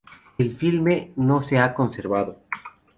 El filme no se ha conservado.